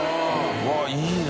うわっいいね！